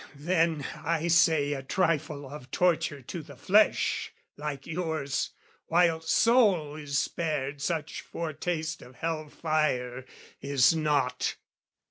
Then, I say, A trifle of torture to the flesh, like yours, While soul is spared such foretaste of hell fire, Is naught.